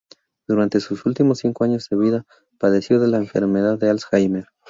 Durante sus últimos cinco años de vida, padeció la enfermedad de Alzheimer.